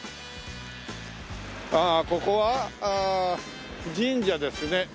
ああここは神社ですね。